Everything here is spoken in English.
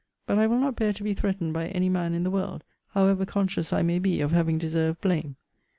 But I will not bear to be threatened by any man in the world, however conscious I may be of having deserved blame.